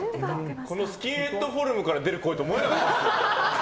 このスキンヘッドフォルムから出る声とは思えない。